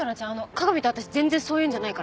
加賀美と私全然そういうのじゃないから。